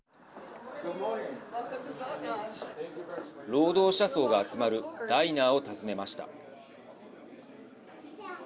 労働者層が集まるダイナーを訪ねました。